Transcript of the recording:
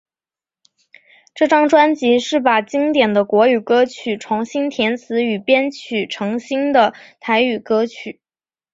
这张专辑是把经典的国语歌曲重新填词与编曲成新的台语歌曲。